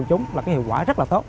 chúng là cái hiệu quả rất là tốt